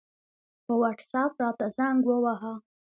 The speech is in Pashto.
په وټساپ راته زنګ ووهه